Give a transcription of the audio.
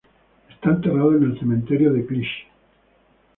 Está enterrado en el cementerio de Clichy.